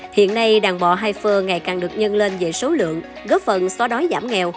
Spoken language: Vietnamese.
hiện nay đàn bò haifer ngày càng được nhân lên về số lượng góp phần xóa đói giảm nghèo